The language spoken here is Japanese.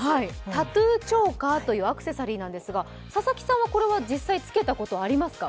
タトゥーチョーカーというアクセサリーなんですが佐々木さんは実際これはつけたことありますか？